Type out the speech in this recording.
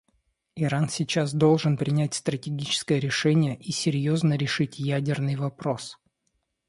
Иран сейчас должен принять стратегическое решение и серьезно решить ядерный вопрос.